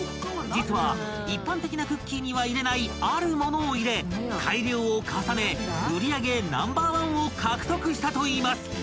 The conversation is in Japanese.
［実は一般的なクッキーには入れないあるものを入れ改良を重ね売り上げＮｏ．１を獲得したといいます］